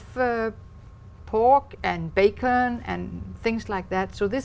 và một sự liên hệ chính xác giữa hai quốc gia